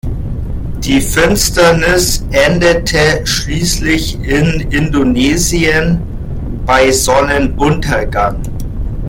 Die Finsternis endete schließlich in Indonesien bei Sonnenuntergang.